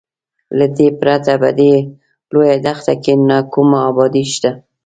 له دې پرته په دې لویه دښته کې نه کومه ابادي شته.